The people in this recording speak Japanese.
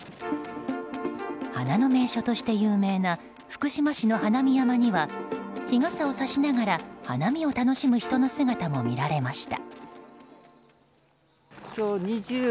花の名所として有名な福島市の花見山には日傘をさしながら、花見を楽しむ人の姿も見られました。